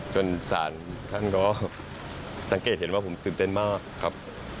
จนศาลท่านก็สังเกตเห็นว่าผมตื่นเต้นมากครับ